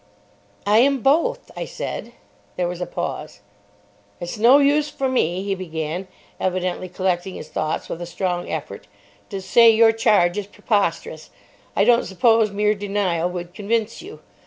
"I am both," I said. There was a pause. "It's no use for me," he began, evidently collecting his thoughts with a strong effort, "to say your charge is preposterous. I don't suppose mere denial would convince you.